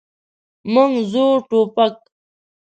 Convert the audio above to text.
موږ زوړ ټوپک.